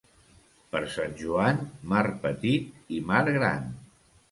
Per Sant Joan, mar petit i mar gran.